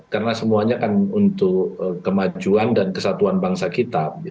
karena semuanya kan untuk kemajuan dan kesatuan bangsa kita